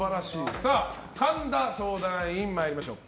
神田相談員、参りましょう。